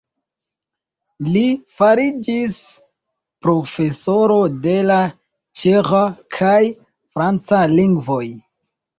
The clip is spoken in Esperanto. Li fariĝis profesoro de la ĉeĥa kaj franca lingvoj.